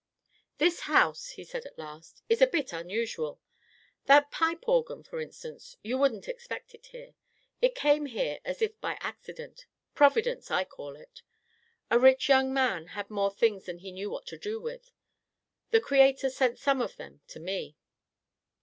"This house," he said at last, "is a bit unusual. That pipe organ, for instance—you wouldn't expect it here. It came here as if by accident; Providence, I call it. A rich young man had more things than he knew what to do with. The Creator sent some of them to me.